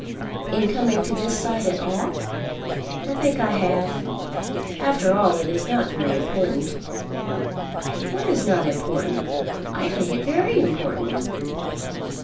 "In coming to this side at all?" "I think I have. After all it is not very important." "What is not important? I think it very important."